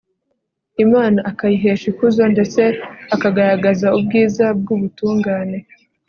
imana akayihesha ikuzo ndetse akagaragaza ubwiza bw'ubutungane